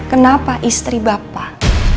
kenapa istri bapak